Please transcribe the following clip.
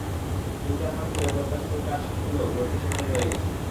তিন-চার মাস ধরে পদসেতুর কাজ শেষ হলেও ঘরটি সেখানে রয়ে গেছে।